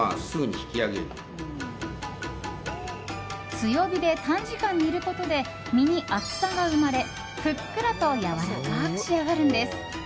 強火で短時間、煮ることで身に厚さが生まれふっくらとやわらかく仕上がるんです。